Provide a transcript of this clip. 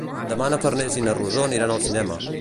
Demà na Farners i na Rosó aniran al cinema.